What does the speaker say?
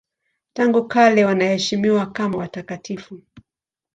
Tangu kale wanaheshimiwa kama watakatifu.